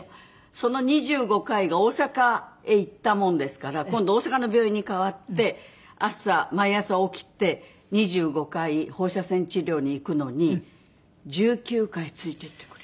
その２５回が大阪へ行ったもんですから今度大阪の病院に替わって朝毎朝起きて２５回放射線治療に行くのに１９回ついていってくれたの。